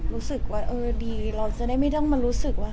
รู้สึกว่าเออดีเราจะได้ไม่ต้องมารู้สึกว่า